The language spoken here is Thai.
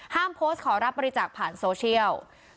โพสต์ขอรับบริจาคผ่านโซเชียล